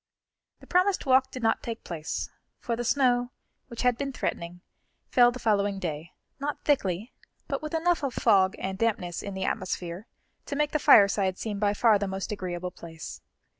The promised walk did not take place, for the snow, which had been threatening, fell the following day, not thickly, but with enough of fog and dampness in the atmosphere to make the fireside seem by far the most agreeable place.